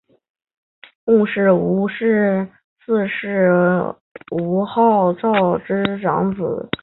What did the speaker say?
濡须吴氏四世吴景昭之长子。